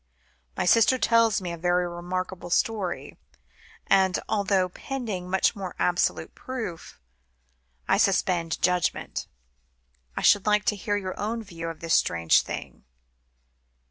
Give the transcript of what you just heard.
"My sister tells me a very remarkable story; and although, pending much more absolute proof, I suspend judgment, I should like to hear your own view of this strange thing."